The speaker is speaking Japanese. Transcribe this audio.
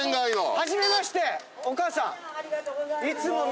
初めましてお母さん。